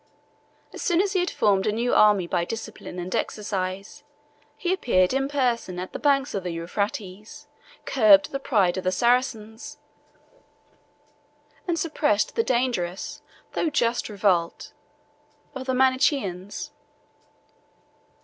As soon as he had formed a new army by discipline and exercise, he appeared in person on the banks of the Euphrates, curbed the pride of the Saracens, and suppressed the dangerous though just revolt of the Manichaeans.